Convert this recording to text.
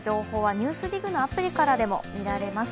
「ＮＥＷＳＤＩＧ」のアプリからでも見られます。